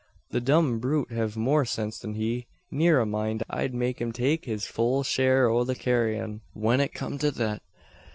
"The dumb brute hev more sense than he. Neer a mind. I'd make him take his full share o' the carryin' when it kum to thet.